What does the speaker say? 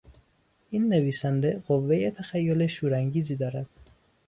این نویسنده قوهی تخیل شور انگیزی دارد.